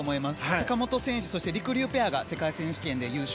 坂本選手、りくりゅうペアが世界選手権で優勝。